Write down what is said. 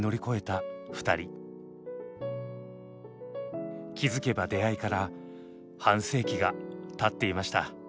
気付けば出会いから半世紀がたっていました。